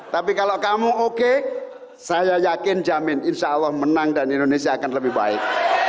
tapi kalau kamu oke saya yakin jamin insya allah menang dan indonesia akan lebih baik